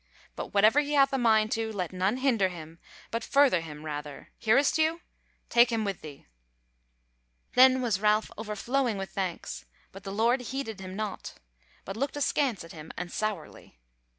But whatever he hath a mind to, let none hinder him, but further him rather; hearest thou? take him with thee." Then was Ralph overflowing with thanks, but the Lord heeded him naught, but looked askance at him and sourly.